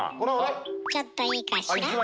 ちょっといいかしら？